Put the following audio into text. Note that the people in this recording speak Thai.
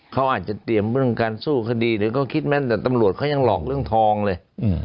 เขาอาจจะเตรียมเรื่องการสู้คดีหรือเขาคิดแม่นแต่ตำรวจเขายังหลอกเรื่องทองเลย